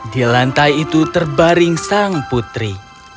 di lantai itu terbaring sang putri